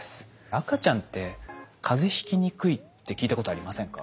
赤ちゃんって風邪ひきにくいって聞いたことありませんか？